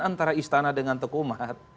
antara istana dengan tekumat